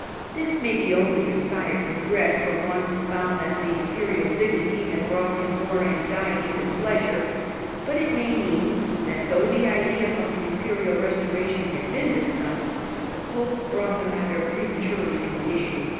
This may be only a sigh of regret from one who found that the Imperial dignity had brought more anxiety than pleasure ; but it may mean that, though the idea of the Imperial restoration had been discussed, the Pope brought the matter prematurely to an issue.